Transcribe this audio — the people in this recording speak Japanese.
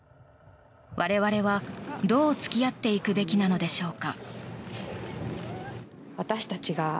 我々はどう付き合っていくべきなのでしょうか。